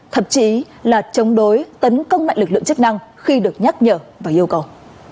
thậm chí là chống đối tấn công mạnh lực lượng chức năng khi được nhắc nhở và yêu cầu